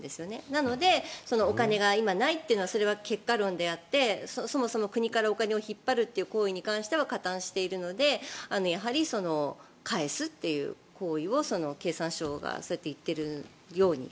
なので、お金が今、ないというのはそれは結果論であってそもそも国からお金を引っ張るという行為に関しては加担しているのでやはり返すという行為を経産省がそうやって言っているように。